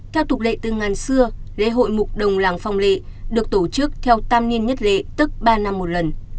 theo tục lệ từ ngàn xưa lễ hội mục đồng làng phong lệ được tổ chức theo tam niên nhất lệ tức ba năm một lần